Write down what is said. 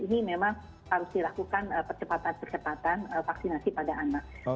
ini memang harus dilakukan percepatan percepatan vaksinasi pada anak